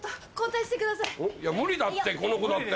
無理だってこの子だって。